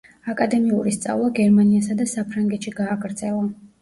აკადემიური სწავლა გერმანიასა და საფრანგეთში გააგრძელა.